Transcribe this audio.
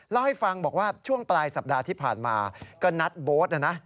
เล่าให้ฟังบอกว่าช่วงปลายสัปดาห์ที่ผ่านมาก็นัดโบ๊ทนะนะ